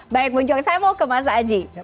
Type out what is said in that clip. baik mung joy saya mau ke mas aji